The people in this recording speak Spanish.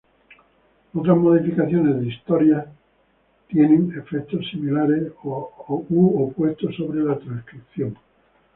Otras modificaciones de histonas tienen efectos similares u opuestos sobre la transcripción.